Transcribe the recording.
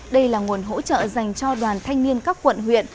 đây là nguồn hỗ trợ dành cho đoàn thanh niên các quận huyện